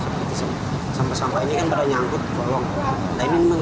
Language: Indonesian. sampah sampah ini kan pada nyangkut tolong